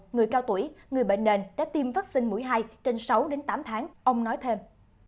người cao tuổi người bệnh nền đã tiêm vaccine mũi hai trên sáu đến tám tháng ông nói thêm